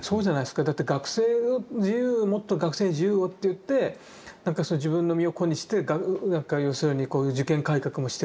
だって「もっと学生に自由を」って言って自分の身を粉にして要するにこういう受験改革もしてるし。